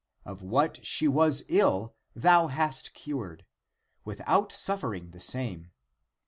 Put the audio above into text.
Of what she was ill thou hast cured, without suffering the same.